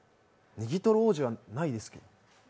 ネギトロ王子はないですね。